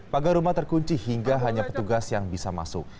pagar rumah terkunci hingga hanya petugas yang bisa masuk